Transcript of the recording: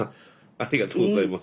ありがとうございます。